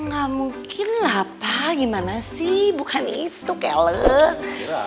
gak mungkin lah gimana sih bukan itu keles